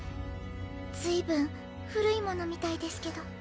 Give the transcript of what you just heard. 随分古いものみたいですけど。